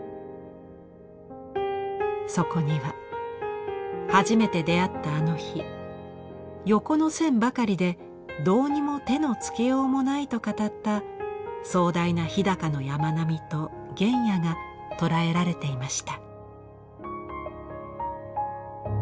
そこには初めて出会ったあの日「横の線ばかりでどうにも手のつけようもない」と語った壮大な日高の山並みと原野が捉えられていました。